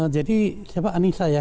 jadi siapa anissa ya